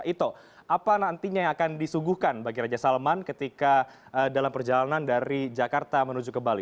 itu apa nantinya yang akan disuguhkan bagi raja salman ketika dalam perjalanan dari jakarta menuju ke bali